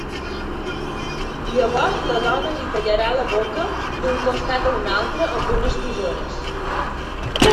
Llavors la dona li tallarà la boca d'un costat a un altre amb unes tisores.